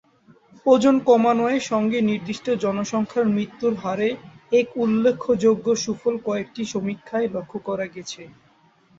ওজন কমানোয় সঙ্গে নির্দিষ্ট জনসংখ্যার মৃত্যুর হারে এক উল্লেখযোগ্য সুফল কয়েকটি সমীক্ষায় লক্ষ করা গেছে।